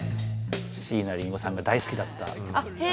椎名林檎さんが大好きだった。